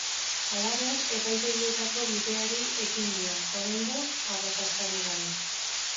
Halaber, epaitegietako bideari ekin dio, oraingoz arrakastarik gabe.